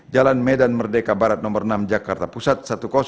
jalan medan merdeka barat no enam jakarta pusat sepuluh ribu satu ratus sepuluh